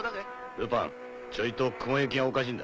ルパンちょいと雲行きがおかしいんだ。